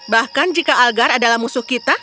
bahkan jika algar adalah musuh kita